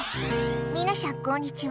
みなしゃん、こんにちは。